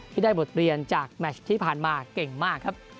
ที่ได้บทเรียนจากแมชที่ผ่านมาเก่งมากครับ